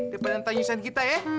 di penyantai nyusen kita ya